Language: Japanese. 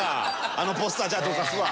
あのポスターじゃあどかすわ！